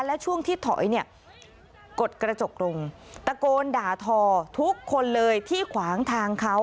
และช่วงที่ถอยเนี่ยกดกระจกลงตะโกนด่าทอทุกคนเลยที่ขวางทางเขา